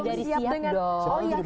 saya harus siap nih